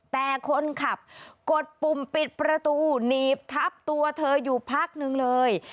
แต่คนขับกดปุ่มปิดประตูหนีบทับตัวเธออยู่พักนึงเลย